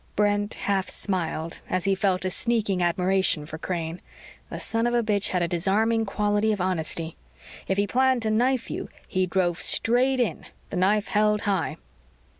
Brent half smiled as he felt a sneaking admiration for Crane. The son of a bitch had a disarming quality of honesty. If he planned to knife you, he drove straight in, the knife held high.